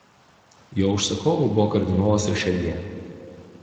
Jo užsakovu buvo kardinolas Rišeljė.